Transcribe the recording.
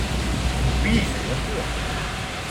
Oui, c’est bien sur.